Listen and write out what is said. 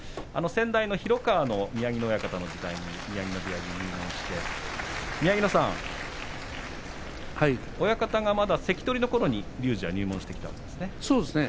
先代の廣川の宮城野親方の時代に宮城野部屋に入門して親方がまだ関取のころに隆二は入門したんですね。